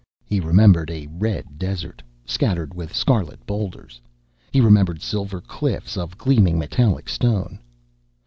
He remembered a red desert scattered with scarlet boulders, he remembered silver cliffs of gleaming metallic stone.